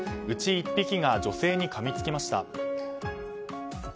うち１匹が女性にかみつきました。